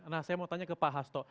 nah saya mau tanya ke pak hasto